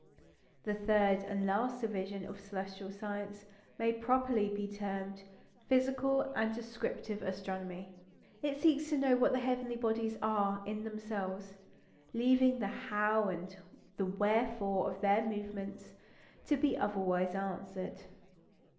The third and last division of celestial science may properly be termed "physical and descriptive astronomy." It seeks to know what the heavenly bodies are in themselves, leaving the How? and the Wherefore? of their movements to be otherwise answered.